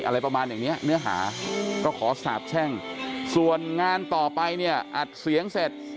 อะไรประมาณอย่างเนี้ยเนื้อหาก็ขอสาบแช่งส่วนงานต่อไปเนี่ยอัดเสียงเสร็จ